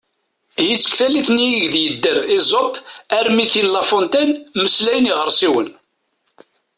Ihi seg tallit-nni ideg yedder Esope armi d tin n La Fontaine “mmeslayen iɣersiwen”.